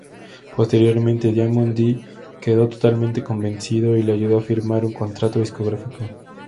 Posteriormente, Diamond D quedó totalmente convencido y le ayudó para firmar un contrato discográfico.